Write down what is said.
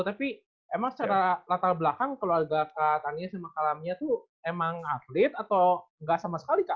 tapi emang secara latar belakang keluarga kak tania sama kalamnya tuh emang update atau nggak sama sekali kak